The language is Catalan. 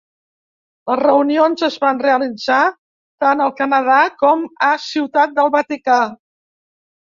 Les reunions es van realitzar tant al Canadà com a Ciutat del Vaticà.